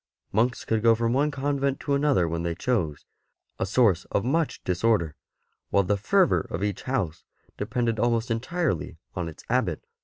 Monks could go from one convent to another when they chose — a source of much disorder — while the fervour of each house depended almost entirely on its Abbot.